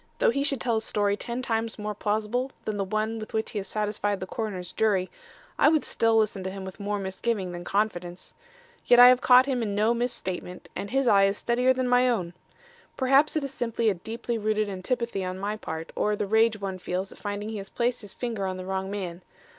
Though he should tell a story ten times more plausible than the one with which he has satisfied the coroner's jury, I would still listen to him with more misgiving than confidence. Yet I have caught him in no misstatement, and his eye is steadier than my own. Perhaps it is simply a deeply rooted antipathy on my part, or the rage one feels at finding he has placed his finger on the wrong man.